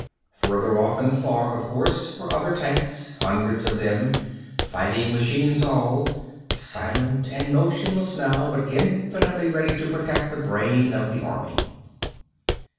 Farther off in the fog, of course, were other tanks, hundreds of them, fighting machines all, silent and motionless now, but infinitely ready to protect the brain of the army.